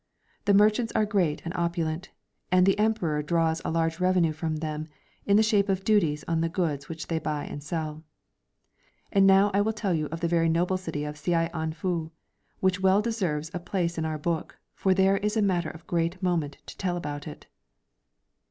The merchants are great and o])ulent, and the Emperor draws a large revenue from them, in the shape of duties on the goods which tlicy buy and sell.* And now I will tell you of the very noble city of Saianfu, which well deserves a jilace in our book, for tlicre is a matter of great moment to tell about it.